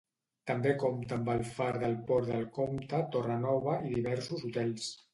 També compta amb el far de Port del Comte Torre Nova i diversos hotels.